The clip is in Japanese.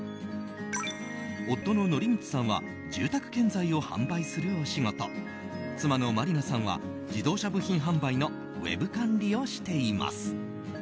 夫の規允さんは住宅建材を販売するお仕事妻の茉璃菜さんは自動車部品販売のウェブ管理をしています。